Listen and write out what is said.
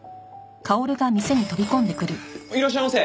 いらっしゃいませ。